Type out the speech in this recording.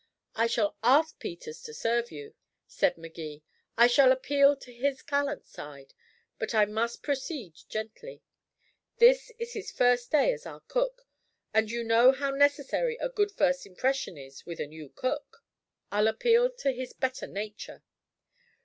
"I shall ask Peters to serve you," said Magee. "I shall appeal to his gallant side. But I must proceed gently. This is his first day as our cook, and you know how necessary a good first impression is with a new cook. I'll appeal to his better nature."